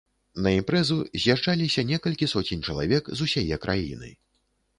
На імпрэзу з'язджаліся некалькі соцень чалавек з усяе краіны.